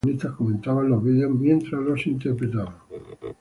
En dicha serie, sus protagonistas comentaban los vídeos mientras las interpretaban.